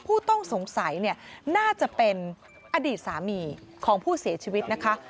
ผู้ต้องสงสัยเนี่ยน่าจะเป็นอดีตสามีของผู้เสียชีวิตนะคะ